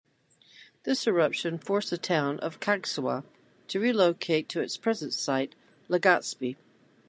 This eruption forced the town of Cagsawa to relocate to its present site, Legazpi.